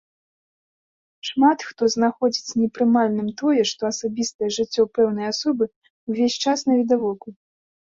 Шмат хто знаходзіць непрымальным тое, што асабістае жыццё пэўнай асобы ўвесь час навідавоку.